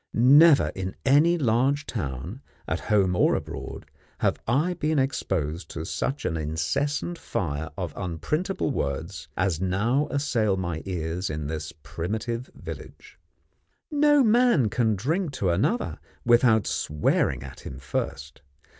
Never in any large town, at home or abroad, have I been exposed to such an incessant fire of unprintable words, as now assail my ears in this primitive village. No man can drink to another without swearing at him first.